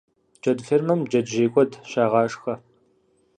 Джэд фермэм джэджьей куэд щагъашхэ.